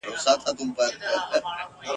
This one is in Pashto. د ادم د رباب سور ته پایزېبونه شرنګومه !.